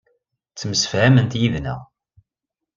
Ttemsefhament yid-neɣ.